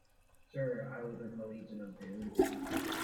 Sure, I was in The Legion of Doom.